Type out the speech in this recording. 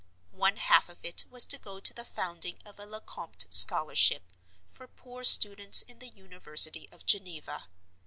One half of it was to go to the founding of a "Lecompte Scholarship" for poor students in the University of Geneva.